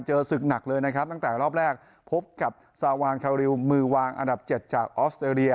เจอศึกหนักเลยนะครับตั้งแต่รอบแรกพบกับซาวานคาริวมือวางอันดับ๗จากออสเตรเลีย